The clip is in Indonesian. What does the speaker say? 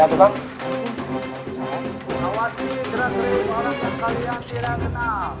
awasi gerak gerik malam yang kalian silahkan kenal